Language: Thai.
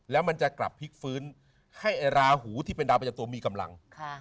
แล้วมันจะกลับพลิกฟื้นให้ราหูที่เป็นดาวประจำตัวมีกำลัง